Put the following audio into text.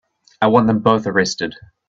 I want them both arrested.